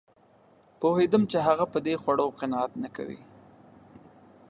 پوهېدم چې هغه په دې خوړو قناعت نه کوي